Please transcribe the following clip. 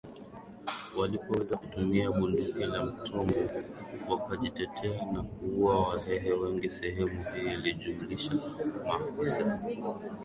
walipoweza kutumia bunduki la mtombo wakajitetea na kuua Wahehe wengi Sehemu hii ilijumlisha maafisa